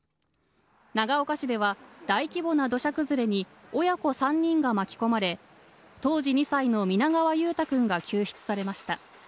長岡市では、大規模な土砂崩れに親子３人が巻き込まれ、当時２歳の皆川優太くんが救出されました。